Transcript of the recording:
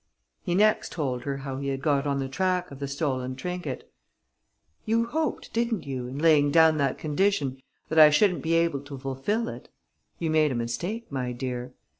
He next told her how he had got on the track of the stolen trinket: "You hoped, didn't you, in laying down that condition, that I shouldn't be able to fulfil it? You made a mistake, my dear.